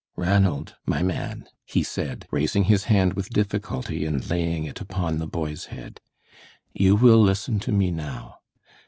"Ranald, my man," he said, raising his hand with difficulty and laying it upon the boy's head, "you will listen to me now.